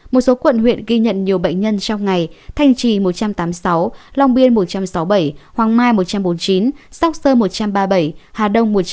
một số quận huyện ghi nhận nhiều bệnh nhân trong ngày thanh trì một trăm tám mươi sáu long biên một trăm sáu mươi bảy hoàng mai một trăm bốn mươi chín sóc sơn một trăm ba mươi bảy hà đông một trăm bốn mươi